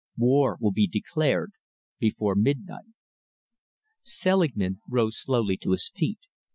War will be declared before midnight." Selingman rose slowly to his feet.